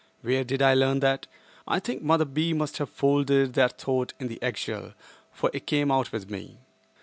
Where did I learn that? I think Mother B. must have folded that thought in the eggshell, for it came out with me.